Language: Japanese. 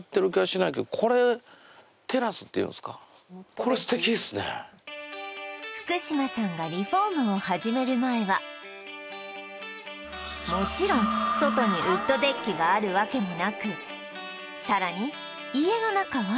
そこまで福島さんがリフォームを始める前はもちろん外にウッドデッキがあるわけもなくさらに家の中は